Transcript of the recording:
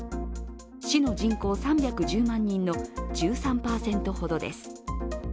市の人口３１２万人の１３％ほどです。